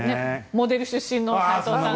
モデル出身の斎藤さん。